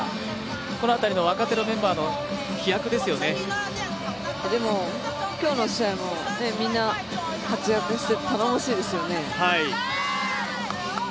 この辺りの若手メンバーのでも、今日の試合もみんな、活躍して頼もしいですよね。